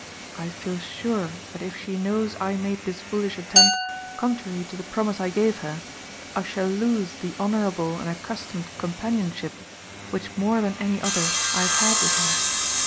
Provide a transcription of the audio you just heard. I feel sure that if she knows I made this foolish attempt contrary to the promise I gave her, I shall lose the honourable and accustomed companionship which more than any other I have had with her.